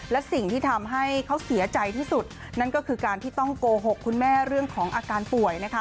และสิ่งที่ทำให้เขาเสียใจที่สุดนั่นก็คือการที่ต้องโกหกคุณแม่เรื่องของอาการป่วยนะคะ